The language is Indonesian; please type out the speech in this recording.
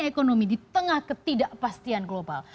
karena ekonomi di tengah ketidakpastian global